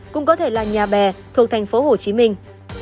cũng có thể là nhà bè thuộc thành phố hồ chí minh